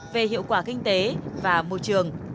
về hiệu quả kinh tế và môi trường